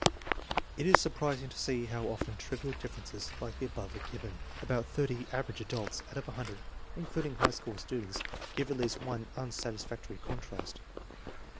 It is surprising to see how often trivial differences like the above are given. About thirty average adults " out of a hundred, including high school students, give at least one unsatisfactory contrast.